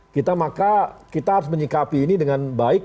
kita maka kita harus menyikapi ini dengan baik